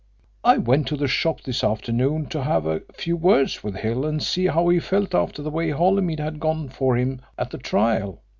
I went to the shop this afternoon to have a few words with Hill and see how he felt after the way Holymead had gone for him at the trial.